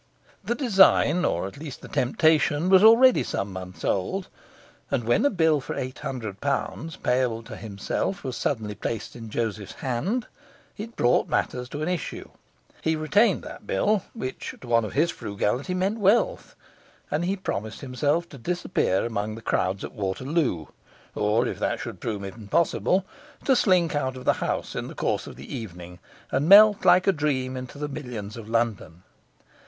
The design, or at least the temptation, was already some months old; and when a bill for eight hundred pounds, payable to himself, was suddenly placed in Joseph's hand, it brought matters to an issue. He retained that bill, which, to one of his frugality, meant wealth; and he promised himself to disappear among the crowds at Waterloo, or (if that should prove impossible) to slink out of the house in the course of the evening and melt like a dream into the millions of London.